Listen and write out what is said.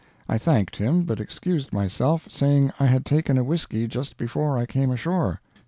I thanked him, but excused myself, saying I had taken a whisky just before I came ashore.